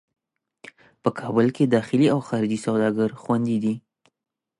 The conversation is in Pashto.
په کابل کې داخلي او خارجي سوداګر خوندي دي.